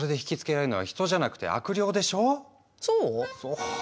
そう？